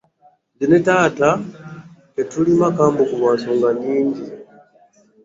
Nze ne taata tetulima kambugu lwa nsonga nnnnnyingi.